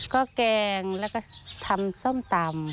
ก็แกงแล้วก็ทำส้มตำ